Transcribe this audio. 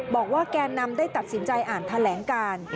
บอกว่าแกนำได้ตัดสินใจอ่านแถลงการ